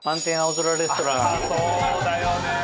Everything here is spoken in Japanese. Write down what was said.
そうだよね。